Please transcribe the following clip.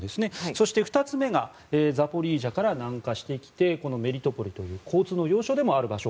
そして、２つ目がザポリージャから南下してきてこのメリトポリという交通の要衝でもある場所